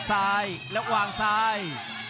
หลังวาดซ้าย